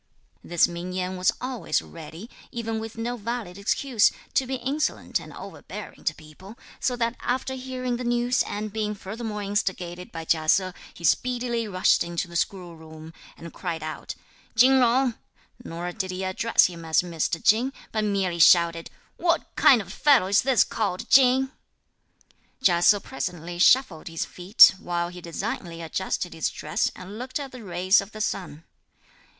This Ming Yen was always ready, even with no valid excuse, to be insolent and overbearing to people, so that after hearing the news and being furthermore instigated by Chia Se, he speedily rushed into the schoolroom and cried out "Chin Jung;" nor did he address him as Mr. Chin, but merely shouted "What kind of fellow is this called Chin?" Chia Se presently shuffled his feet, while he designedly adjusted his dress and looked at the rays of the sun.